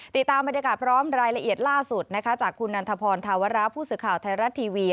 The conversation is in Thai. ติดตามบรรยากาศพร้อมรายละเอียดล่าสุดนะคะจากคุณนันทพรธาวราผู้สื่อข่าวไทยรัฐทีวี